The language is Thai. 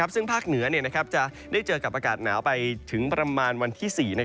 ซึ่งภาคเหนือจะได้เจอกับอากาศหนาวไปถึงประมาณวันที่๔